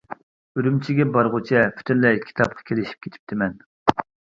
ئۈرۈمچىگە بارغۇچە پۈتۈنلەي كىتابقا كىرىشىپ كېتىپتىمەن.